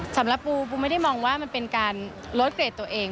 สำหรับปูปูไม่ได้มองว่ามันเป็นการลดเกรดตัวเอง